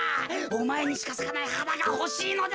おまえにしかさかないはながほしいのだ。